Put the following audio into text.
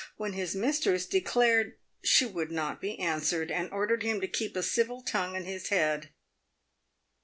when his mistress declared she would not be answered, and ordered him to keep a civil tongue in his head.